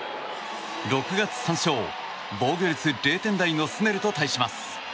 ６月３勝、防御率０点台のスネルと対します。